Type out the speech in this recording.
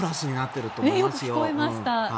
よく聞こえました。